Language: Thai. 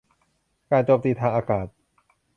การโจมตีทางอากาศ